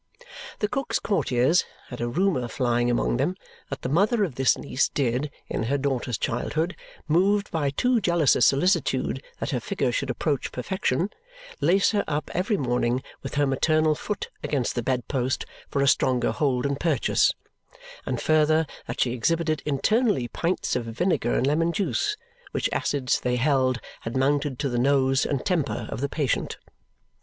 The Cook's Courtiers had a rumour flying among them that the mother of this niece did, in her daughter's childhood, moved by too jealous a solicitude that her figure should approach perfection, lace her up every morning with her maternal foot against the bed post for a stronger hold and purchase; and further, that she exhibited internally pints of vinegar and lemon juice, which acids, they held, had mounted to the nose and temper of the patient.